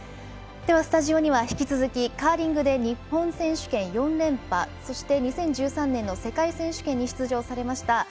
スタジオには引き続きカーリングで日本選手権４連覇そして、２０１３年の世界選手権に出場されました